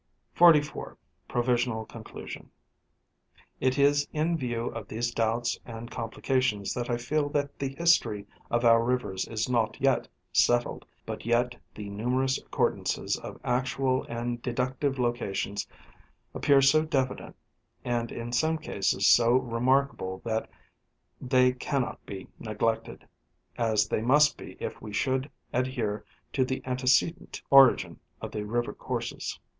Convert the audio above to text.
44. Provisonal Conclusion. — It is in view of these doubts and complications that I feel that the history of our rivers is not yet settled ; but yet the numerous accordances of actual and deduc tive locations appear so definite and in some cases so remarkable that they cannot be neglected, as they must be if we should adhere to the antecedent origin of the river courses.